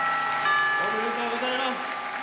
おめでとうございます。